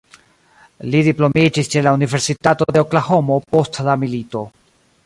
Li diplomiĝis ĉe la Universitato de Oklahomo post la milito.